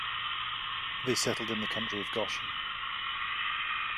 They settled in the country of Goshen.